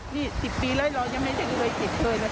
นี่๑๐ปีแล้วเรายังไม่ได้เกียจเคยนี่มาอีกแล้ว